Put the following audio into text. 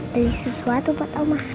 beli sesuatu buat oma